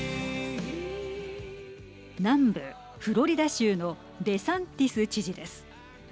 南部フロリダ州のデサンティス知事です。